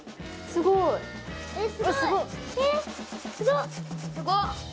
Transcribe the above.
すごっ！